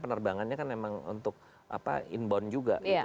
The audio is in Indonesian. penerbangannya kan memang untuk inbound juga